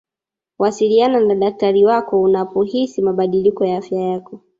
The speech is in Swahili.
wasiliana na dakitari wako unapohisi mabadiliko ya afya yako